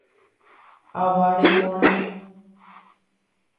Ava rekorã.